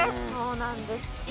そうなんです。